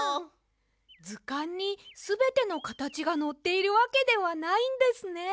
ずかんにすべてのかたちがのっているわけではないんですね。